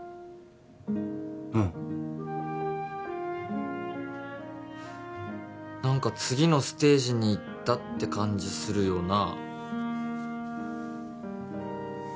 うん何か次のステージに行ったって感じするよな